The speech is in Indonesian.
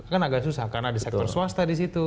kan agak susah karena ada sektor swasta disitu